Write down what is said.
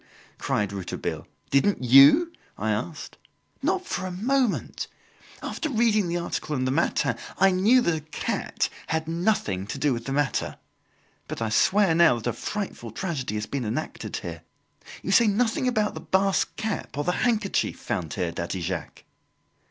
cried Rouletabille. "Didn't you?" I asked. "Not for a moment. After reading the article in the 'Matin,' I knew that a cat had nothing to do with the matter. But I swear now that a frightful tragedy has been enacted here. You say nothing about the Basque cap, or the handkerchief, found here, Daddy Jacques?"